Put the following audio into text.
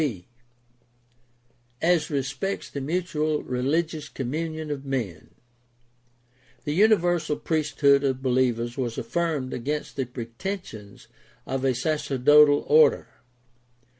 b) As respects the mutual religious communion of men: The universal priesthood of believers was affirmed against the pretensions of a sacerdotal order.